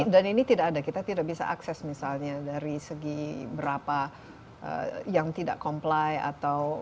dan ini tidak ada kita tidak bisa akses misalnya dari segi berapa yang tidak comply atau